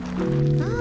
ああ。